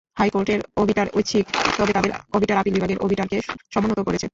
হাইকোর্টের অবিটার ঐচ্ছিক, তবে তাঁদের অবিটার আপিল বিভাগের অবিটারকে সমুন্নত করেছে।